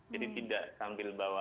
jadi tidak sambil bawa hp